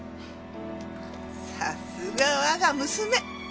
さすが我が娘！